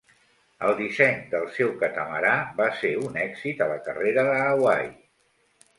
El disseny del seu catamarà va ser un èxit a la carrera de Hawaii.